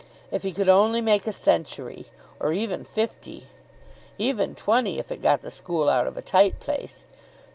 If he could only make a century! or even fifty. Even twenty, if it got the school out of a tight place.